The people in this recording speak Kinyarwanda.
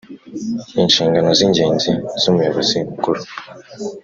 Inshingano z’ ingenzi z’ Umuyobozi Mukuru